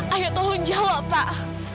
ayah tolong jawab pak